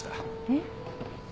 えっ？